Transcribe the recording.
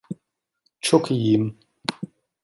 Çok iyiyim.